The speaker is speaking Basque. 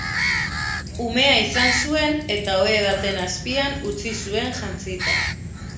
Umea izan zuen eta ohe baten azpian utzi zuen jantzita.